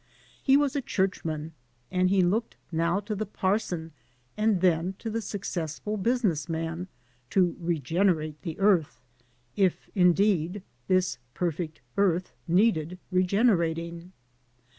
He was a churchman, and he looked now to the parson and then to the successful business man to r^enerate the earth, if, indeed, this perfect earth needed r^enerating.